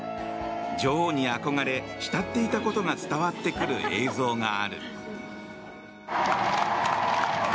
女王に憧れ、慕っていたことが伝わってくる映像がある。